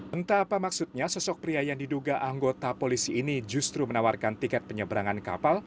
entah apa maksudnya sosok pria yang diduga anggota polisi ini justru menawarkan tiket penyeberangan kapal